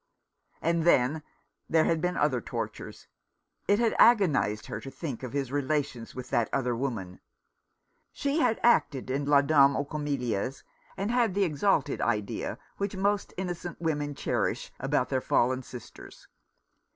And then there had been other tortures. It had agonized her to think of his relations with that other woman. She had acted in La Dame aux CamSiias, and had the exalted idea which most innocent women cherish about their fallen sisters.